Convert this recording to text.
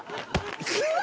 うわ！